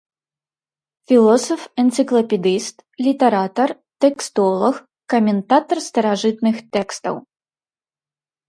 Філосаф-энцыклапедыст, літаратар, тэкстолаг, каментатар старажытных тэкстаў.